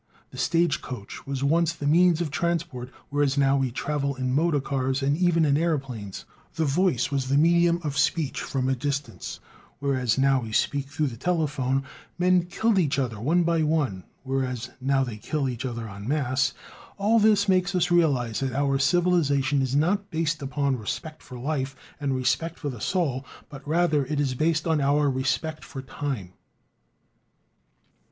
The stage coach was once the means of transport, whereas now we travel in motor cars and even in aeroplanes; the voice was the medium of speech from a distance, whereas now we speak through the telephone; men killed each other one by one, whereas now they kill each other en masse. All this makes us realize that our civilization is not based upon "respect for life" and "respect for the soul," but rather is it based upon "respect for time."